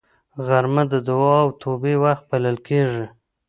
غرمه د دعا او توبې وخت بلل کېږي